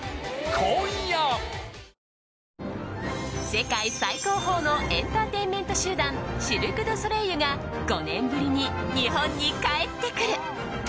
世界最高峰のエンターテインメント集団シルク・ドゥ・ソレイユが５年ぶりに日本に帰ってくる！